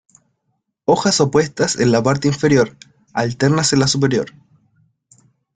Hojas opuestas en la parte inferior, alternas en la superior.